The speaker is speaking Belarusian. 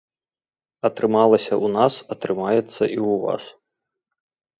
Атрымалася ў нас, атрымаецца і ў вас.